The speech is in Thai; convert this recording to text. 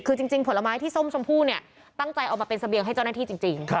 คือจริงผลไม้ที่ส้มชมพู่เนี่ยตั้งใจเอามาเป็นเสบียงให้เจ้าหน้าที่จริง